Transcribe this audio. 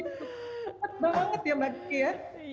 cepat banget ya mbak kiki ya